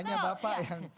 hanya bapak yang